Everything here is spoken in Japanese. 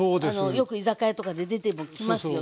よく居酒屋とかで出てきますよね。